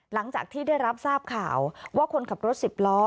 หลังจากที่ได้รับทราบข่าวว่าคนขับรถสิบล้อ